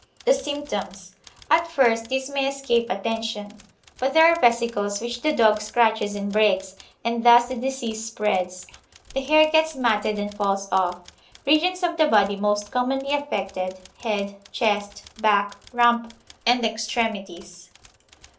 The Symptoms At first these may escape attention, but there are vesicles which the dog scratches and breaks, and thus the disease spreads. The hair gets matted and falls off. Regions of the body most commonly affected, head, chest, back, rump, and extremities.